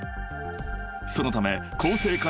［そのため］